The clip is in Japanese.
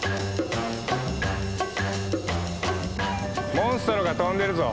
モンストロが飛んでるぞ。